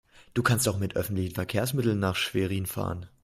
Du kannst doch mit öffentlichen Verkehrsmitteln nach Schwerin fahren